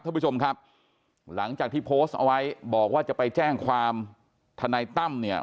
ท่านผู้ชมครับหลังจากที่โพสต์เอาไว้บอกว่าจะไปแจ้งความทนายตั้มเนี่ย